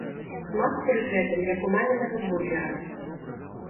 Смак пры гэтым як у мамінага бургера.